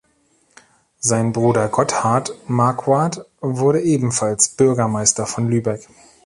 Sein Bruder Gotthard Marquard wurde ebenfalls Bürgermeister von Lübeck.